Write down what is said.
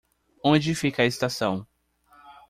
Onde fica a estação?